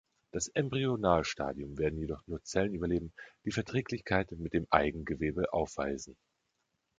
Das Embryonalstadium werden jedoch nur Zellen überleben, die Verträglichkeit mit dem Eigengewebe aufweisen.